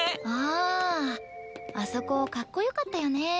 あああそこかっこよかったよね。